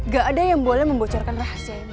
gak ada yang boleh membocorkan rahasia